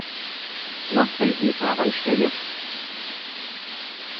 Maɣef ay d-yesɣa anect-a akk?